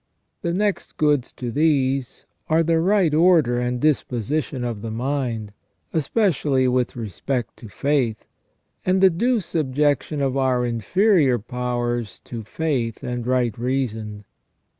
The next goods to these are the right order and disposition of the mind, especially with respect to faith, and the due subjection of our inferior powers to faith and right reason.